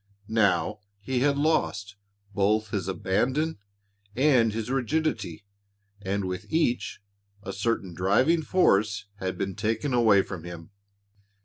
Now he had lost both his abandon and his rigidity and with each, a certain driving force had been taken away from him.